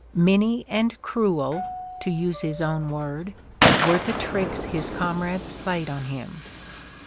Many and "cruel," to use his own word, were the tricks his comrades played on him.